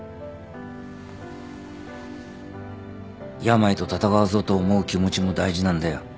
病と闘うぞと思う気持ちも大事なんだよ。